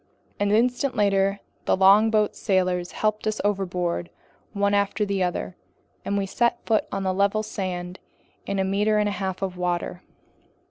An instant later, the longboat's sailors helped us overboard one after the other, and we set foot on level sand in a meter and a half of water.